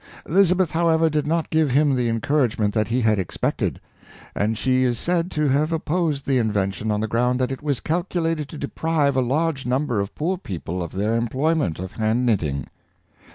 Elizabeth, however, did not give him the encouragement that he had expected; and she is said to have opposed the invention on the ground that it was calculated to deprive a large number of poor people of their employment of hand knitting.